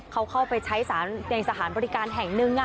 เขาเข้าไปใช้สารในสถานบริการแห่งหนึ่ง